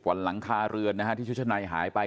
หลังคาเรือนนะฮะที่ชุดชะในหายไป